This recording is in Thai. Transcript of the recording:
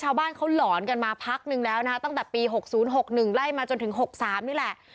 ชาวบ้านเขาหลอนกันมาพักนึงแล้วนะคะตั้งแต่ปี๖๐๖๑ไล่มาจนถึง๖๓นี่แหละ